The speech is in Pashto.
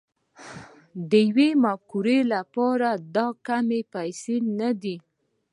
د يوې مفکورې لپاره دا کمې پيسې نه دي